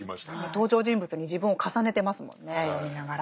登場人物に自分を重ねてますもんね読みながら。